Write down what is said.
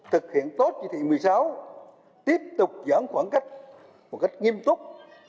thực hiện tốt chỉ thị một mươi sáu tiếp tục giãn khoảng cách một cách nghiêm túc